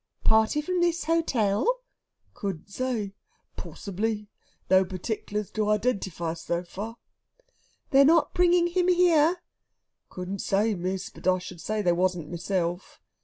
"Party from this hotel?" "Couldn't say. Porcibly. No partic'lars to identify, so far." "They're not bringing him here?" "Couldn't say, miss; but I should say they wasn't myself."